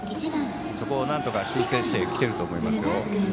そこをなんとか修正してきていると思います。